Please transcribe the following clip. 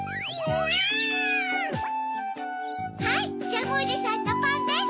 はいジャムおじさんのパンです。